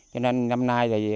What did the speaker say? cho nên năm nay